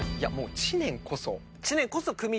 知念こそ。